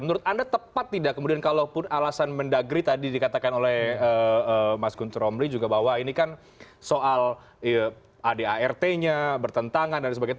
menurut anda tepat tidak kemudian kalaupun alasan mendagri tadi dikatakan oleh mas guntur romli juga bahwa ini kan soal adart nya bertentangan dan sebagainya